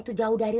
tuh jauh dari